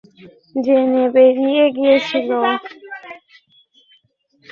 আসল সত্যটা না জেনে বেরিয়ে গিয়েছিল।